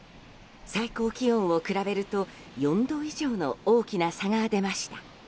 最高気温を比べると４度以上の大きな差が出ました。